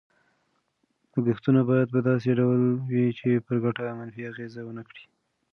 لګښتونه باید په داسې ډول وي چې پر ګټه منفي اغېز ونه کړي.